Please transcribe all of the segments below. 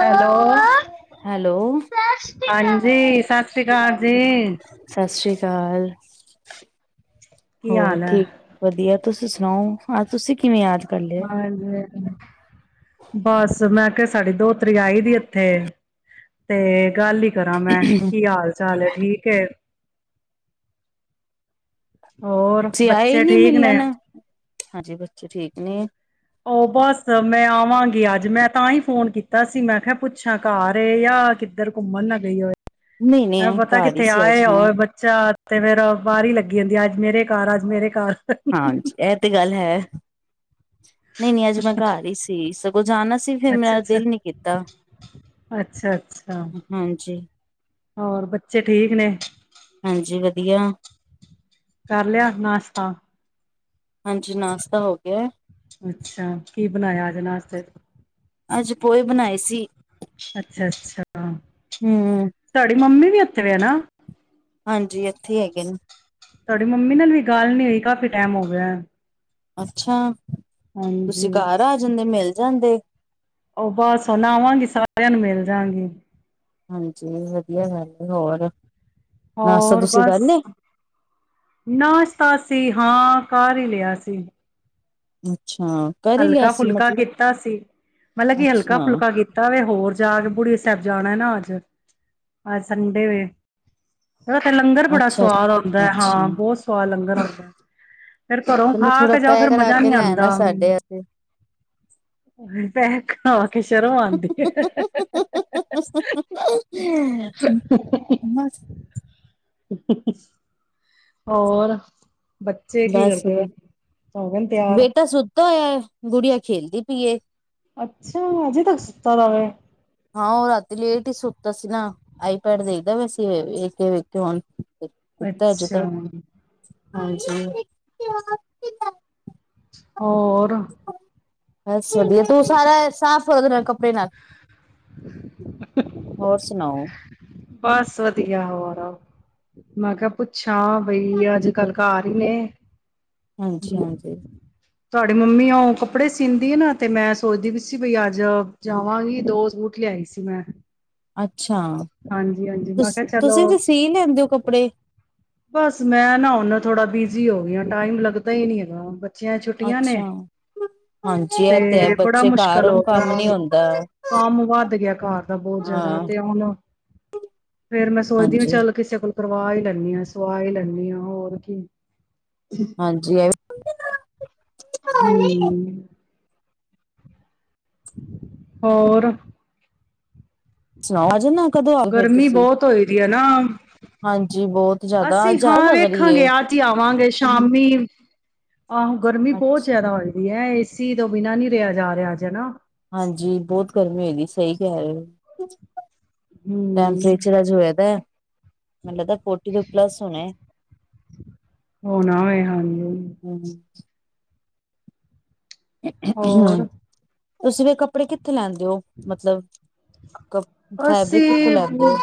Hello hello, ਹਾਂਜੀ ਸਸ ਰੀ ਕਾਰ ਜੀ। ਚਾਲ ਕੀ ਹੋਰ ਹਾਲ ਹੈ ਠੀਕ ਵਧੀਆ। ਤੁਸੀਂ ਸੁਣਾਓ, ਹਾਲ ਤੁਸੀਂ ਕਿਵੇਂ ਯਾਦ ਕਰ ਲਿਆ? ਹਾਂਜੀ -ਬਸ ਮੈਂ ਸਾਡੀ ਦੋਤਰੀ ਆਈਂ ਦੀ ਇੱਥੇਂ ਤੇ ਕੱਲ੍ਹ ਇੱਕ ਕਰਾਂ ਮੈਂ ਕੀ ਹਾਲ- ਚਾਲ ਹੈਂ ਠੀਕ ਐ। ਹੋਰ ਤੁਸੀਂ ਆਏ ਬੱਚੇ ਨੀਂ ਠੀਕ ਨੇ ਮਿਲ਼ਣ, ਹਾਂਜੀ ਬੱਚੇ ਠੀਕ ਨਹੀ ਏ ਉਹ ਬਸ ਮੈਂ ਆਵਾਂਗੀ ਅੱਜ ਮੈਂ ਤਾਂ ਹੀ ਫ਼ੋਨ ਕੀਤਾ ਸੀ, ਮੈਂ ਕਿਹਾਂ ਪੁੱਛਾਂ ਘਰ ਏ ਜਾਂ ਕਿੱਧਰ ਘੁੰਮਣ ਨਾ ਗਈ ਹੋਏ। ਮੈਂ ਨਹੀਂ-ਨਹੀਂ ਪਤਾਂ ਘਰ ਹੀ ਕਿੱਥੇ ਸੀ ਅੱਜ ਆਏਂ ਮੈਂ। ਹੋਰ ਬੱਚਾ ਤੇ ਫ਼ਿਰ ਬਾਹਰ ਹੀ ਲੱ ਕਹਿੰਦੀ ਅੱਜ ਮੇਰੇ ਘਰ, ਅੱਜ ਮੇਰੇ ਘਰ ਅੱਛਾ ਹਾਂਜੀ, ਇਹ ਤੇ ਗੱਲ ਹੈ। ਨਹੀਂ, ਨਹੀਂ। ਅੱਜ ਮੈਂ ਘਰ ਹੀ ਸੀ ਸਗੋਂ ਜਾਣਾ ਸੀ। ਫਿਰ ਮੇਰਾ ਅੱਛਾ ਦਿਲ ਨੀ ਕੀਤਾ। ਅੱਛਾ ਅੱਛਾ ਹਾਂਜੀ, ਹੋਰ ਬੱਚੇ ਠੀਕ ਨੇ ਹਾਂਜੀ ਵਧ ਵਲ ਕਰ ਲਿਆ ਨਾਸ਼ਤਾ ਹਾਂਜੀ, ਨਾਸ਼ਤਾ ਹੋ ਗਿਆ। ਅੱਛਾ, ਕੀ ਬਣਾਇਆ ਅੱਜ ਨਾਸ਼ਤੇ ਚ ਅੱਜ ਪੋਹੇ ਬਣਾਏ ਸੀ। ਅੱਛਾ, ਅੱਛਾ। ਹੂੰ, ਤੁਹਾਡੀ ਮੰਮੀ ਵੀ [inaudible] ਹਾਂਜੀ, ਇੱਥੇ ਹੈਗੇ ਨੇ। ਤੁਹਾਡੀ ਮੰਮੀ ਨਾਲ ਵੀ ਗੱਲ ਨੀ ਹੋਈ। ਕਾਫੀ ਟਾਈਮ ਹੋ ਗਿਆ। ਅੱਛਾ। ਹਾਂਜੀ ਤੁਸੀਂ ਘਰ ਆ ਜਾਂਦੇ ਮਿਲ ਜਾਂਦੇ। ਉਹ ਬਸ ਹੁਨ ਆਵਾਂਗੀ ਸਾਰਿਆਂ ਨੂੰ ਮਿਲ ਜਾਗੀ। ਹਾਂਜੀ, ਵਧੀਆ ਗੱਲ ਹੋਰ। ਨਾਸ਼ਤਾ ਔਰ ਤੁਸੀਂ ਬਸ ਕਰ ਲਿਆ? ਨਾਸ਼ਤਾ ਸੀੇ- ਕਰ ਹੀ ਲਿਆ ਸੀ। [unintelligible] ਕਰ ਹੀ ਲਿਆ ਹਲਕਾ ਸੀ ਫੁਲਕਾ ਮਤਲਬ ਕੀਤਾ ਸੀ। ਮਤਲਬ ਕੀ ਹਲਕਾ ਅੱਛਾ, ਫੁਲਕਾ ਕੀਤਾ ਵੇ। ਹੋਰ ਜਾ ਕੇ ਗੁਰੂ ਸਾਹਿਬ ਜਾਣਾ ਨਾ ਅੱਜ ਸੰਡੇ ਵੈ। ਲੰਗਰ ਬੜਾ ਅੱਛਾ। ਸਆਦ ਆਉਂਦਾ। ਅੱਛਾ, ਹਾਂ, ਬਹੁਤ ਸਵਾਦ ਲੰਗਰ ਹੁੰਦਾ। [inaudible] ਫੇਰ ਘਰੋਂ ਚਲੋ ਖਾ ਥੋੜਾ ਕੇ ਜਾਓ ਪੈਕ ਫੇਰ ਕਰਾ ਮਜਾ ਕੇ ਨਹੀਂ ਲੈ ਆਣਾ ਆਂਦਾ। ਸਾਡੇ ਆਸਤੇ। ਪੈਕ [unintelligible] [unintelligible] ਹੋਰ ਬੱਚੇ ਕੀ ਬਸ, ਕਰਦੇ ਪਏ? ਹੋ ਗਏ ਨੇ ਤਿਆਰ? ਬੇਟਾ ਸੁੱਤਾ ਹੋਇਆ। ਗੁੜੀਆਂ ਖੇਲਦੀ ਪਈਏ। ਅੱਛਾ, ਅਜੇ ਤੱਕ ਸੁੱਤਾ ਵੈ। ਹਾਂ, ਉਹ ਰਾਤੀ ਲੇਟ ਹੀ ਸੁੱਤਾ ਸੀ ਨਾ। ਆਈਪੈਡ ਦੇਖਦਾ ਵੈਸੇ ਵੇ ਵੇਖ ਹੁਣ ਇਕ ਤਾਂ ਅੱਜ ਅੱਛਾ ਕੱਲ, ਹਾਂਜੀ [unintelligible] ਹੋਰ। [inaudible] ਬਸ ਵਧੀਆ ਤੂੰ ਸਾਰਾ ਸਾਫ਼ ਕੱਪ ਹੋਰ ਸੁਣਾਓ ਬਸ ਵਧੀਆ ਹੋਰ ਮੈਂ ਕਿਹਾ ਪੁੱਛਾਂ ਬਈ ਅੱਜ ਕੱਲ ਘਰ ਈ ਨੇ ਹਾਂਜੀ ਹਾਂਜੀ ਤੁਹਾਡੀ ਮੰਮੀ ਓ ਕੱਪੜੇ ਸੀਂਦੀ ਏ ਨਾ ਤੇ ਮੈਂ ਸੋਚਦੀ ਬੀ ਸੀ ਬਈ ਅੱਜ ਜਾਵਾਂਗੀ ਦੋ ਸੂਟ ਲਿਆਈ ਸੀ ਮੈਂ ਅੱਛਾ ਹਾਂਜੀ ਹਾਂਜੀ ਮੈਂ ਕਿਹਾ ਤੁਸੀਂ ਚਲੋ ਤੇ ਸੀ ਲੈਂਦੇ ਹੋ ਕੱਪੜੇ ਬਸ ਮੈਂ ਨਾ ਉਹਨਾ ਥੋੜਾ ਬਿਜੀ ਹੋ ਗਈ ਆਂ ਟਾਈਮ ਲੱਗਦਾ ਹੀ ਨਹੀਂ ਹੈਗਾ ਬੱਚਿਆਂ ਦੀ ਛੁੱਟੀਆਂ ਨੇ ਅੱਛਾ ਹਾਂਜੀ ਇਹ ਹੈ ਤੇ ਬੜਾ ਬੱਚੇ ਘਰ ਮੁਸ਼ਕਿਲ ਹੋ ਹੋਣ ਗਿਆ ਕੰਮ ਨੀ ਉਹਨੂੰ ਹੁੰਦਾ ਕੰਮ ਵੱਧ ਗਿਆ ਘਰ ਦਾ ਬਹੁਤ ਜਿਆਦਾ ਹਾਂ ਤੇ ਹੁਣ ਫੇਰ ਮੈਂ ਸੋਚਦੀ ਹ ਹਾਂਜੀ ਚੱਲ ਕਿਸੇ ਕੋਲ ਪਰਵਾਹ ਹੀ ਲੈਂਦੇ ਹਾਂਂ ਸਵਾ ਹੀ ਲੈਂਦੀ ਆਂ ਹੋਰ ਕੀ ਹਾਂਜੀ ਇਹ ਹਮ ਹੋਰ ਸੁਣਾਓ ਆਜੇ ਨਾ ਗਰਮੀ ਬਹੁਤ ਹੋਈ ਦੀ ਹੈ ਨਾ ਹਾਂਜੀ ਬਹੁਤ ਜ਼ਿਆਦਾ ਅਸੀਂ ਜ਼ਿਆਦਾ ਹਾਂ ਲੱਗ ਰਹੀ ਏ ਵੇਖਾਂਗੇ ਅਜ ਹੀ ਆਵਾਂਗੇ ਸ਼ਾਮੀ ਆਹੋ ਗਰਮੀ ਬਹੁਤ ਜਿਆਦਾ ਹੋਏ ਹੈ ਏਸੀ ਤੋਂ ਬਿਨਾ ਨੀ ਰਿਹਾ ਜਾ ਰਿਹਾ ਅੱਜ ਹਨਾ ਹਾਂਜੀ ਬਹੁਤ ਗਰਮੀ ਹੋਈ ਦੀ ਸਹੀ ਕ [unintelligible] ਟੈਮ ਹਮ ਚਿੜਚਿੜਾ ਜੇਹਾ ਹੋਏ ਦੈ ਮੈਨੂੰ ਲੱਗਦੈ ਫੋਟੀ ਤੋਂ ਪਲੱਸ ਹੋਣੇ ਹੋਣਾ ਹੋਏ ਹਾਂਜੀ ਹਮ ਹੋਰ ਤੁਸੀਂ ਵੀ ਕੱਪੜੇ ਕਿ ਕਿੱਥੇ ਲੈਂਦੇ ਉਹ ਮਤਲਬ ਕ ਫੈਬਰਿਕ ਕਿੱਥੋਂ ਅਸੀਂ ਲੈਂਦੇ ਹੋ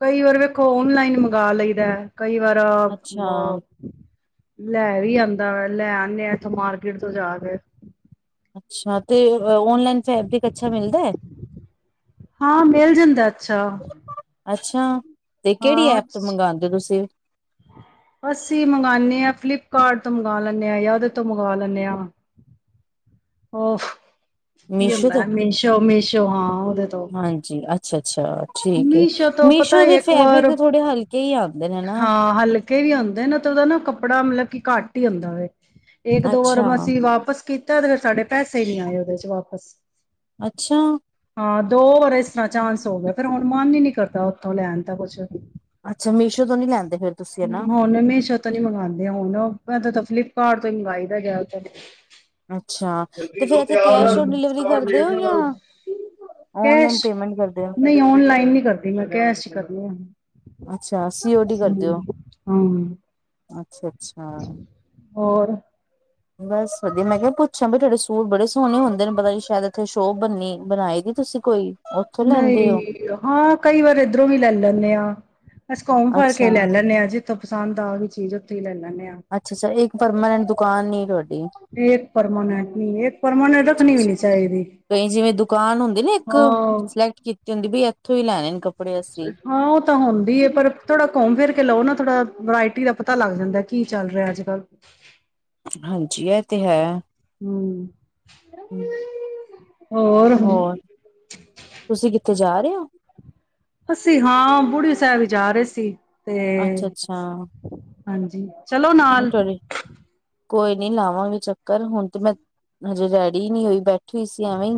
ਕਈ ਵਾਰ ਵੇਖੋ ਓਨਲਾਈਨ ਮੰ ਗਾ ਲਈ ਦੈ ਕਈ ਵਾਰ ਅੱਛਾ ਲੈ ਵੀ ਆਂਦਾ ਲੈ ਆਂਦੇ ਆ ਇੱਥੋਂ ਮਾਰਕੀਟ ਤੋਂ ਜਾ ਕੇ ਅੱਛਾ ਤੇ ਓਨਲਾਈਨ ਫੈਬਰਿਕ ਅੱਛਾ ਮਿਲਦੈ ਹਾਂ ਮਿਲ ਜਾਂਦੈ, ਅੱਛਾ। ਅੱਛਾ। ਤੇ ਕਿਹੜੀ ਹਾਂ ਐਪ ਤੋਂ ਮੰਗਵਾਉਂਦੇ ਤੁਸੀਂ? ਅਸੀਂ ਮੰਗਾਂਨੇ ਆਂ, ਫਲਿੱਪਕਾਰਟ ਤੋਂ ਮੰਗਵਾ ਲੈਂਨੇ ਆਂ, ਜਾਂ ਉਹਦੇ ਤੋਂ ਮੰਗਵਾ ਲੈਂਨੇ ਆਂ। ਉਫ ਕੀ ਮੀਸ਼ੋ ਹੁੰਦੈ, ਤੋਂ ਮੀਸ਼ੋ, ਮਿਸ਼ੋ ਹਾਂ ਉਹਦੇ ਤੋਂ। ਹਾਂਜੀ ਅੱਛਾ ਅੱਛਾ ਠੀਕ ਹੈ ਮਿਸ਼ਾ ਤੋਂ ਪਤਾ ਮੀਸ਼ੋ ਦੇ ਇੱਕ ਫੈਬਰਿਕ ਵਾਰ, ਤਾਂ ਥੋੜੇ ਹਲਕੇ ਹੀ ਆਉਂਦੇ ਨੇ ਨਾ ਹਾਂ ਹਲਕੇ ਵੀ ਆਉਂਦੇ ਨਾ ਤੇ ਉਹਦਾ ਨਾ ਕੱਪੜਾ ਮਤਲਬ ਕਿ ਘੱਟ ਹੁੰਦਾ ਵਵੇ ਇੱਕ ਦੋ ਅੱਛਾ ਵਰਮ ਅਸੀਂ ਵਾਪਿਸ ਕੀਤੀ ਤਾਂ ਫਿਰ ਸਾਡੇ ਪੈਸੇ ਨਹੀਂ ਆਏ, ਉਹਦੇ ਚ ਵਾਪਸ। ਅੱਛਾ ਹਾਂ, ਦੋ ਵਰਸ ਚਾਂਸ ਹੋਵੇ ਹੁਣ, ਮਨ ਹੀ ਨੀ ਕਰਦਾ ਉੱਥੋਂ ਲੈਣ ਦਾਂ, ਕੁਛ ਵੀ। ਅੱਛਾ ਮੀਸ਼ੋ ਤੋਂ ਨੀ ਲੈਂਦੇ ਫਿਰ ਤੁਸੀਂ ਹਨਾ ਹੁਣ ਮਿਸ਼ੋ ਤਾਂ ਨੀ ਮੰਗਵਾਉਂਦੇ ਹੁਣ, ਮੈਂ ਤਾਂ ਫਲਿੱਪਕਾਰਟ ਤੋਂ ਹੀ ਮੰਗਵਾਈ ਦਾ ਗਿਆੂੰ [inaudible] ਅੱਛਾ, ਤੇ ਫਿਰ ਐਤੇ ਕੈਸ਼ ਔਨ ਡਿਲੀਵਰੀ ਕਰਦੇ ਹੋ, ਜਾਂ ਓਨਲਾਈਨ ਕੈਸ਼ ਪੇਮੈਂਟ ਕਰਦੇ ਹੋ। ਨਹੀਂ ਔਨਲਾਈਨ ਨ ਕਰਦੀ ਮੈਂ, ਕੈਸ਼ ਹੀ ਕਰਦੀ ਹਾਂ। ਅੱਛਾ ਸੀ ਓ ਡੀ ਕਰਦੇ ਹੋ ਅੱਛਾ -ਅੱਛਾ [inaudible] ਹੋਰ। ਬਸ ਵਧੀਆ, ਮੈਂ ਕਿਹਾ ਪੁੱਛਿਆ ਬ ਤੁਹਾਡੇ ਸੂਟ ਬੜੇ ਸੋਹਣੇ ਹੁੰਦੇ ਨੇ, ਪਤਾ ਜੀ ਸ਼ਾਇਦ ਇੱਥੇ ਸ਼ੋਅ ਬੰਨੀ ਬਣਾਈ ਦੀ ਤੁਸੀਂ ਕੋਈ? ਉੱਥੋਂ ਲੈਂਦੇ ਹੋ ਨਹੀਂ, ਹਾਂ ਕਈ ਵਾਰ ਇੱਧਰੋਂ ਵੀ ਲੈ ਲੈਂਦੇ ਹਾਂ। ਅਸੀ ਕੌਮ ਫੜ ਕੇ ਅੱਛਾ ਲੈ ਲੈਂਨ ਹਾਂ ਜੀ ਇੱਥੋਂ ਪਸੰਦ ਆ ਗਈ ਚੀਜ਼ [unintelligible] ਚੀਲ [inaudible] ਅੱਛਾ ਅੱਛਾ ਇੱਕ ਪਰਮਾਨੈਂਟ [inaudible] ੀ [unintelligible] ਇੱਕ ਪਰਮਾਨੰਟ ਨੀਂ, ਇੱਕ ਪਰਮਾਨੰਟ ਰੱਖਨੀ ਵੀ ਨੀ ਚਾਹੀਦੀ, ਕਈ ਜਿਵੇਂ ਦੁਕਾਨ ਹੁੰਦੀ ਹਾਂ। ਉਥੋਂ ਹੀ ਲੈਣੇ ਨੇ [inaudible] ਹਾਂ ਉਹ ਤਾਂ ਹੁੰਦੀ ਏ, ਪਰ ਥੋੜਾ ਘੁੰਮ ਫਿਰ ਲਓ ਨਾ ਥੋੜਾ ਵਰਾਇਟੀ ਦਾ ਪਤਾ ਲੱਗ ਜਾਂਦਾ, ਕੀ ਚੱਲ ਰਿਹਾ ਅੱਜ- ਕੱਲ੍ਹ? ਹਾਂਜੀ, ਇਹ ਤੇ ਹੈ। ਹਮ [inaudible] ਹਮ [inaudible] ਹੋਰ, ਤੁਸੀਂ ਕਿਥੇ? ਜਾ ਰਹੇ ਓ? ਅਸੀਂ ਹਾਂ ਬੂੜੀ ਸਾਹਿਬ ਜਾ ਰਹੇ ਸੀ ਤੇ ਅੱਛਾ ਅੱਛਾ ਹਾਂਜੀ ਚਲੋ ਨਾਲ ਕੋਈ ਨੀ ਲਾਵਾਂਗੇ ਚੱਕਰ ਹੁਣ ਤੇ ਮੈਂ ਹਜੇ ਰੈਡੀ ਨਹੀਂ ਹੋਈ ਬੈਠੇ ਠੀ ਸੀ ਐਵੇਂ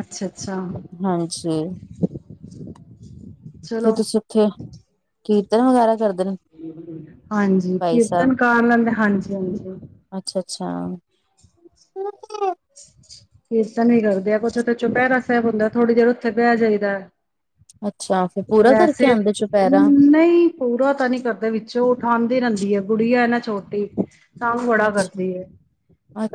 ਅੱਛਾ ਅੱਛਾ ਹਾਂਜੀ ਕੇ ਚਲੋ ਤੁਸੀਂ ਉੱਥੇ ਕੀ ਵਗੈਰਾ ਕਰਦੇ ਨੇ ਹਾਂਜੀ ਭਾਈ ਸਾਹਿਬ। ਕੀਰਤਨ ਕਰ ਲੈਂਦੇ ਹਾਂਜੀ ਹਾਂਜੀ ਅੱਛਾ ਕੀਰਤਨ ਨਹੀਂ ਕਰਦੇ ਆ ਕੁਛ ਚੋਂ ਪੈਰਾ ਸਾਹਿਬ ਹੁੰਦਾ ਥੋੜੀ ਦੇਰ ਉੱਥੇ ਬਹਿ ਜਾਈਦਾ ਅੱਛਾ ਅੱਛਾ, ਫਿਰ ਪੂਰਾ ਕਰਕੇ ਵੈਸੇ ਆਉਂਦੇ ਚੁਪਹਿਰਾ ਨਹੀਂ ਪੂਰਾ ਤਾਂ ਨਹੀਂ ਕਰਦੇ ਵਿੱਚੋਂ ਉਠਾਉਣ ਰਹਿੰਦੀ ਹੈ ਗੁੜੀਆ ਨਾ ਛੋਟੀ ਕੰਮ ਬੜਾ ਕਰਦੀ ਹੈ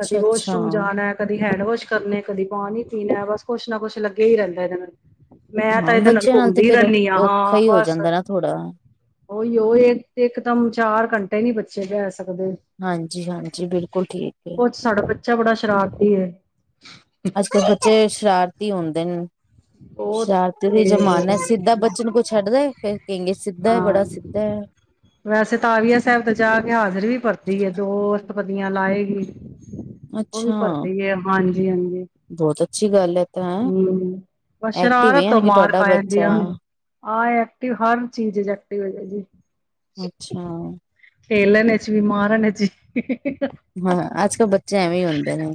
ਕਦੀ ਵਾਸ਼ਰੂਮ ਜਾਣਾ ਕਦੀ ਹੈਂਡ ਵਾਸ਼ ਕਰਨੇ ਕਦੀ ਪਾਣੀ ਸੀਨ ਹੈ ਬਸ ਕੁੱਛ ਨਾ ਕੁੱਛ ਲੱਗਿਆ ਹੀ ਰਹਿੰਦਾ ਇਹਦੇ ਨਾਲ ਮੈਂ ਹਾਂ ਤਾਂ ਇਹਦੇ ਨਾਲ ਬੱਚਿਆਂ ਤੇ ਘੁੰਮਦੀ ਫੇਰ ਰਹਿੰਦੀ ਹਾਂ ਔਖਾ ਹਾਂ ਹੀ ਹੋ ਬਸ ਜਾਂਦਾ ਨਾ ਥੋੜਾ ਉਹੀ ਉਹ ਇਕ ਦਮ ਚਾਰ ਘੰਟੇ ਨ ਨਹੀਂ ਬੱਚੇ ਗਿਆ ਹਾਂਜੀ ਹਾਂਜੀ ਬਿਲਕੁਲ ਠੀਕ ਹੈ ਚ ਬੜਾ ਸ਼ਰਾਰਤੀ ਹੈ ਅੱਜ ਕੱਲ ਬੱਚੇ ਸ਼ਰਾਰਤ ਹੁੰਦੇ ਨੇ ਉਹ ਸ਼ਰਾਰਤੀ ਦੀ ਤੇ ਜ਼ਮਾਨਾ ਸਿੱਧਾ ਬੱਚੇ ਨੂੰ ਕੋਈ ਛੱਡਦਾ ਹੈ ਫੇਰ ਕਹਗੇ ਸਿੱਧਾ ਹੈ ਹਾਂ ਬੜਾ ਸਿੱਧਾ ਹੈ ਵੈਸੇ ਤਵੀਆ ਸਾਹਿਬ ਤੇ ਜਾ ਕੇ ਹਾਜ਼ਰੀ ਵੀ ਪਰਦੀ ਹੈ ਦੋ ਪੱਤੀਆਂ ਲਾਏ ਹੀ ਉਹ ਵੀ ਅੱਛਾ ਭਰਦੀ ਹੈ ਹਾਂਜੀ ਹਾਂਜੀ ਬਹੁਤ ਅੱਛੀ ਗੱਲ ਹੈ ਤਾਂ ਹਮ ਐਕਟਿਵ ਹੈ ਸ਼ਰਾਰਤ ਤੋਂ ਯਾਨੀ ਕਿ ਮਾਰ ਤੁਹਾਡਾ ਖਾ ਜਾਂਦੀ ਬੱਚਾ ਆ ਆਹ ਐਕਟਿਵ ਹਰ ਚੀਜ਼ ਐਕਟਿਵ ਜੀ ਅੱਛਾ ਖੇਲਣਾ ਚ ਵੀ ਮਾਰਨ ਜੀ ਹਾਂ ਅੱਜ ਕੱਲ ਬੱਚੇ ਐਵੇਂ ਹੁੰਦੇ ਨੇ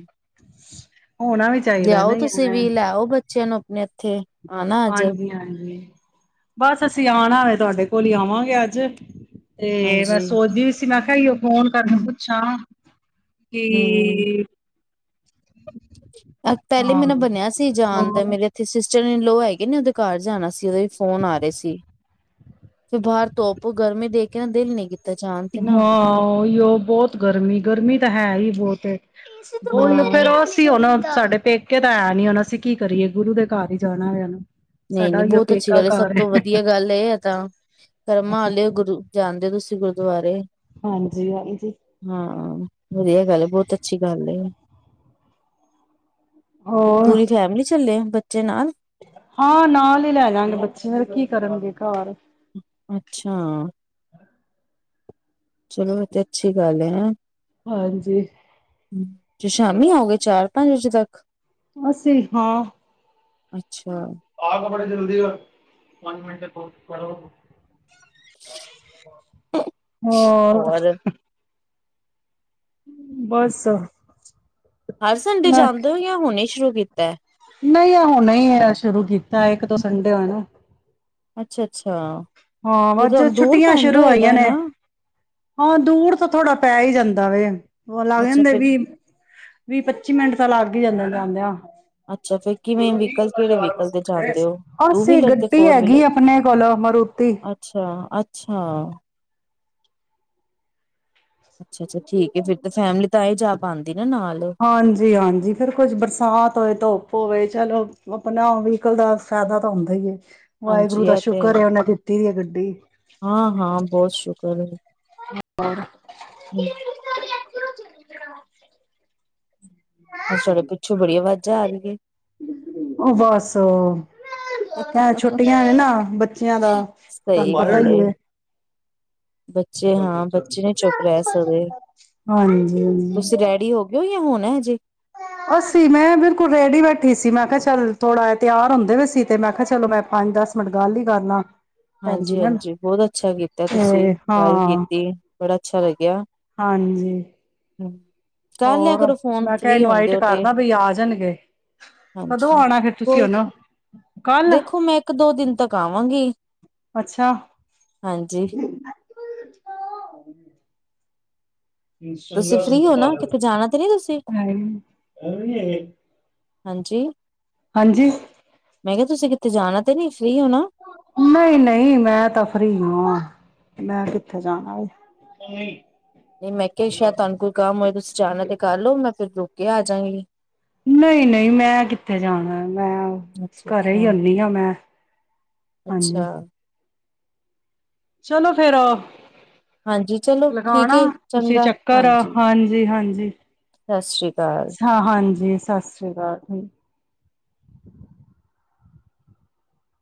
ਹੋਣਾ ਵੀ ਚਾਹੀਦਾ ਨਾ ਲਿਆਓ ਤੁਸੀਂ ਵੀ ਲਿਆਓ ਬੱਚਿਆਂ ਨੂੰ ਆਪਣੇ ਇੱਥੇ ਆਨਾ ਅੱਜ ਹਾਂਜੀ ਹਾਂਜੀ ਬਸ ਅਸੀਂ ਆਣਾ ਵ ਤੁਹਾਡੇ ਕੋਲ ਹੀ ਆਵਾਂਗੇ ਅੱਜ ਤੇ ਮੈਂ ਹਾਂਜੀ ਸੋਚਦੀ ਵੀ ਸੀ ਮੈਂ ਅਈਓ, ਫ਼ੋਨ ਕਰਕੇ ਪੁੱਛਾਂ ਕੀ [inaudible] ਪੈਲੇ ਮੇ ਨਾ ਬਣਿਆ ਸੀ ਜਾਨ ਦਾ, ਹੋਰ ਮੇਰੇ ਐਥੇ ਸਿਸ ਤੇਣੇ ਲੋ ਹੈਗੇ ਨੇ ਔਦੇ ਘਰ ਜਾਣਾ ਸੀ ਓਦੇ ਵੀ ਫੋਨ ਆ ਰੇ ਸੀ ਫੇਰ ਬਾਰ ਧੋਪ ਗਰਮੀ ਦੇਖ ਕੇ ਨਾ ਦੇਲ ਨੀ ਕੀਤ ਹਾਂ, ਔਈਔ ਬੌਤ ਗਰਮੀ ਗਰਮੀ ਤਾਂ ਹੈ ਈ ਏ ਬੌਤ। ਔਈਔ ਫੇਰ ਹਾਂ ਅਸੀ ਹੋਣ ਸਾਡੇ ਪੇਕੇ ਤਾਂ ਐਂ ਨੀ ਹੁਣ ਅਸੀਂ ਕੀ ਕਰੀਏ, ਗੁਰੂ ਦੇ ਘਰ ਈ ਜਾਣਾ ਵੇ ਹੁਣ। ਨਹੀਂ ਸਾਡਾ ਨਹੀਂ, ਉਹੀਓ ਬੌਤ ਅੱਛੀ ਪੇਕਾ ਗੱਲ ਏ, ਸਭ ਘਰ ਤੋਂ ਵਧੀਆ ਗੱਲ ਏ ਏ ਤਾਂ। ਕਰਮਾਂ ਆਲੇ ਔ ਗੁਰੂ ਜਾਂਦੇ ਔ ਤੁਸੀਂ ਗੁਰਦੁਆਰੇ? ਹਾਂਜੀ ਹਾਂਜੀ। ਹਾਂ। ਵਧੀਆ ਗੱਲ ਏ, ਬੌਤ ਅੱਛੀ ਗੱਲ ਏ। ਹੋਰ ਪੂਰੀ ਫੈਮਲੀ ਸੀ। ਡਿੱਲੇ ਆ ਬੱਚੇ ਨਾਲ। ਹਾਂ, ਨਾਲ ਹੀ ਲੈ ਜਾਗੇ ਬੱਚੇ, ਫੇਰ ਕੀ ਕਰਨਗੇ ਘਾਰ? ਅੱਛਾ। ਚਲੋ ਐਤੇ ਅੱਛੀ ਗੱਲ ਏ, ਹੈਂ। ਹਾਂਜੀ। ਹੂੰ, ਦੇ ਸ਼ਾਮੀ ਆਓਗੇ, ਚਾਰ ਪੰਜ ਵਜੇ ਤੱਕ। ਅਸੀਂ ਹਾਂ। ਅੱਛਾ। ਆ ਕਬੜੇ ਜਲਦੀ ਔ ਪੰਜ ਮਿੰਟ ਏ ਕੋਛ ਕਰੋ। ਹੋਰ ਬੱਸ ਹਰ ਸੰਡੇ ਜਾਂਦੇ ਔ ਯਾ ਹੁਣੇ ਸ਼ੁਰੂ ਕੀਤੈ। ਨਹੀਂ ਆ ਹੁਣੇ ਹੀ ਐ ਸ਼ੁਰੂ ਕੀਤਾ ਇੱਕ ਦੋ ਸੰਡੇ ਆ ਨਾ। ਅੱਛਾ ਅੱਛਾ। ਹਾਂ, ਅੱਜ ਛੁੱਟੀਆਂ ਸ਼ੁਰੂ ਹੋਈਆਂ ਨੇ। ਹਨਾ ਹਾਂ, ਦੂਰ ਤਾਂ ਥੋੜਾ ਪੈ ਹੀ ਜਾਂਦੈ ਵੇ। ਹੋਰ ਲੱਗ ਅੱਛਾ ਜਾਂਦੇ ਫਿਰ ਵੀਹ ਵੀਹ ਪੱਚੀ ਮਿੰਟ ਤਾਂ ਲੱਗ ਲੱਗ ਈ ਜਾਂਦੈ ਜਾੰਦੇਆ। ਅੱਛਾ ਫਿਰ ਕਿਵੇਂ ਵਹੀਕਲ ਕਿਹੜੇ ਵਹੀਕਲ ਤੇ ਜਾਂਦੇ ਹੋ ਟੂ ਅਸੀ ਵੀਲਰ ਗੱਡੀ ਹੈਗੀ ਅਪਣੇ ਕੋਲੋਂ ਮਰੂਤ ਅੱਛਾ ਅੱਛਾ। ਅੱਛਾ ਅੱਛਾ, ਠੀਕ ਹੈ ਫਿਰ ਤਾਂ ਫੈਮਲੀ ਤਾਂ ਈ ਜਾ ਪਾਂਦੀ। ਹਾਂਜੀ ਹਾਂਜੀ, ਫੇਰ ਕੁੱਛ ਬਰਸਾਤ ਹੋਏ ਧੋਪ ਹੋਵੇ ਚਲੋ, ਆਪਣਾ ਵੀਹਕਲ ਦਾ ਫੈਦਾ ਤਾਂ ਹੁੰਦਾ ਈ ਏ। ਹਾਂਜੀ ਇਹ ਤੇ ਹੈ, ਹੈ ਗੱਡੀ ਹਾਂ- ਹਾਂ ਬਹੁਤ ਸ਼ੁਕਰ ਐ। ਹੂੰ। ਅੱਜ ਤੁਹਾਡੇ ਪਿੱਛੋਂ ਬੜੀ ਆਵਾਜ਼ਾਂ ਆ ਰਹੀ ਹੈ ਉਹ ਬਸ ਕ ਛੁੱਟੀਆਂ ਨੇ ਨਾ ਬੱਚਿਆਂ ਦਾ ਤਾਨੂੰ ਸਹੀ ਪਤਾ ਗੱਲ ਏ ਈ ਐ। ਬੱਚੇ ਹਾਂ ਬੱਚੇ ਨਹੀਂ ਚੁੱਪ ਰਹਿ ਸਕਦੇ, ਤੁਸੀਂ ਹਾਂਜੀ ਰੈਡੀ ਹੋ ਗਏ ਹੋ ਜਾਂ ਹੋਣ ਐ ਜੀ। ਅਸੀਂ ਮੈਂ ਬਿਲਕੁਲ ਰੈਡੀ ਬੈਠੀ ਸੀ ਮੈਂ ਕਿਹਾ ਚੱਲ ਥੋੜ੍ਹਾ ਇਹ ਤਿਆਰ ਹੁੰਦੇ ਵੀ ਸੀ, ਤੇ ਮੈਂ ਕਿਹਾ ਚਲੋ ਮੈਂ ਪੰਜ ਦਸ ਮਿੰਟ ਗੱਲ ਹੀ ਕਰਲਾ। ਭੈਣ ਜੀ ਨਾਲ ਹਾਂਜੀ-ਹਾਂਜੀ ਬਹੁਤ ਅੱਛਾ ਕੀਤਾ, ਤੁਸੀਂ ਤੇ ਗੱਲ ਹਾਂ ਕੀਤੀ। ਬੜਾ ਅੱਛਾ ਲੱਗਿਆ। ਹਾਂਜੀ ਹਮ ਕਰ ਲਿਆ ਹੋਰ ਕਰੋ ਫੋਨ ਮੈਂ ਕਿਹਾ ਫ੍ਰਰੀ ਹੁੰਦੇ ਇਨਵਾਈਟ ਹੋ ਤੇ ਕਰਦਾ ਬਈ ਆ ਜਾਣਗੇ, ਕਦੋਂ ਹਾਂਜੀ ਆਉਣਾ ਫਿਰ ਤੁਸੀਂ ਕੋਈ ਹੁਣ ਦੇਖੋ ਮੈਂ ਇੱਕ ਦੋ ਦਿਨ ਤੱਕ ਆਵਾਂਗੀ, ਅੱਛਾ ਹਾਂਜੀ। [unintelligible] ਤੁਸੀਂ ਚੰਗਾ ਸੂਟ ਫ੍ਰਰੀ ਹੋ ਪਾ ਨਾ ਕਿਤੇ ਲੈਂਦੀ ਜਾਣਾ ਤੇ ਨੀ ਤੁਸੀਂ ਹੈ ਨੀ, ਹੋਰ ਨੀ ਹੈਗੇ। ਹਾਂਜੀ। ਹਾਂਜੀ। ਮੈਂ ਕਿਹਾ ਤੁਸੀਂ ਕਿਤੇ ਜਾਣਾ ਤੇ ਨੀ ਫ੍ਰਰੀ ਹੋ ਨਾ ਨਹੀਂ-ਨਹੀਂ ਮੈਂ ਤਾਂ ਫਰੀ ਆਂ। ਮੈਂ ਕਿੱਥੇ ਜਾਣਾ ਏ। ਨਹੀਂ ਮੈਂ ਕਿਹਾ ਸ਼ਾਇਦ ਤੁਹਾਨੂੰ ਕੋਈ ਕੰਮ ਹੋਏ ਤੁਸੀਂ ਜਾਣਾ ਤੇ ਕਰ ਲਓ ਮੈਂ ਫਿਰ ਰੁਕ ਕੇ ਆਜਾਂਗੀ। ਨਹੀਂ, ਨਹੀਂ ਮੈਂ ਕਿੱਥੇ ਜਾਣਾ ਮੈਂ ਅੱਛਾ ਘਰੇ ਹੀ ਅੱਛਾ ਹੁੰਦੀ ਹਾਂ ਮੈਂ ਅੱਛਾ, ਹਾਂਜੀ ਚਲੋ ਫੇਰ ਉਹ ਹਾਂਜੀ ਚਲੋ ਠੀਕ ਲਗਾਣਾ ਹੈ ਤੁਸੀਂ ਚੰਗਾ ਚੱਕਰ ਆ ਹਾਂਜੀ- ਹਾਂਜੀ-ਹਾਂਜੀ, ਸਤਿ ਸ੍ਰੀ ਅਕਾਲ ਹਾਂ ਹਾਂਜੀ। ਸਤਿ ਸ਼੍ਰੀ ਅਕਾਲ ਜੀ।